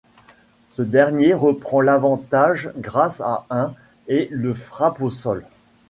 Ce dernier reprend l'avantage grâce à un ' et le frappe au sol.